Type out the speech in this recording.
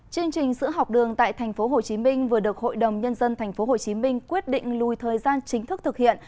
chương trình sữa học đường tại tp hcm vừa được hội đồng nhân dân tp hcm quyết định lùi thời gian chính thức thực hiện